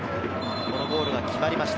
このゴールが決まりました。